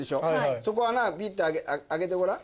そこ穴ビッと開けてごらん。